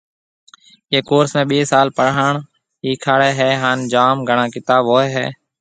ايئي ڪورس ۾ ٻي سال پڙهاڻ هِيکاڙي هيَ هانَ جام گھڻا ڪتاب هوئي هيَ